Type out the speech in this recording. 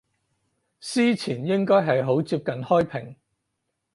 司前應該係好接近開平